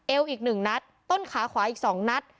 อีก๑นัดต้นขาขวาอีก๒นัด